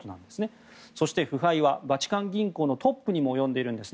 そして、腐敗はバチカン銀行のトップにも及んでいるんです。